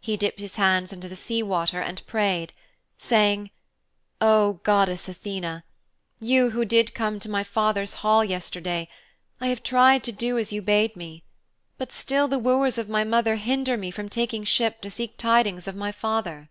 He dipped his hands into the sea water and prayed, saying, 'O Goddess Athene, you who did come to my father's hall yesterday, I have tried to do as you bade me. But still the wooers of my mother hinder me from taking ship to seek tidings of my father.'